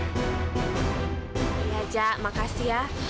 iya jah makasih ya